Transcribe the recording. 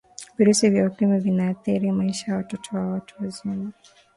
virusi vya ukimwi vinaathiri maisha ya watoto na watu wazima